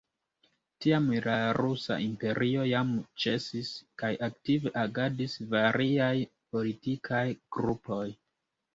Tiam la Rusa Imperio jam ĉesis kaj aktive agadis variaj politikaj grupoj.